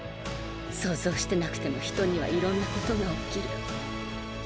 想像してなくても人にはいろんなことが起きる。